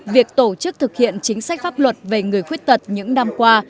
việc tổ chức thực hiện chính sách pháp luật về người khuyết tật những năm qua